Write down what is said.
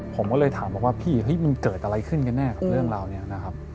ผมก็เลยถามพี่เห้ยมันเกิดอะไรขึ้นกับเรื่องเรานี้นะครับ